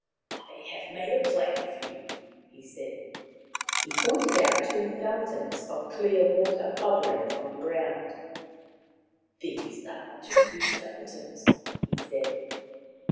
" I have made a plan for you," he said. He pointed out two fountains of clear water bubbling from the ground. " These are Matuku's fountains," he said.